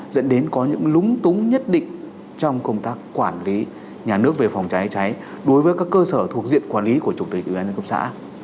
dẫn đến có những lúng túng nhất định trong công tác quản lý nhà nước về phòng cháy cháy đối với các cơ sở thuộc diện quản lý của chủ tịch ủy ban nhân cấp xã